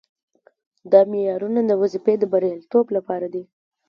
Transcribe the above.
دا معیارونه د وظیفې د بریالیتوب لپاره دي.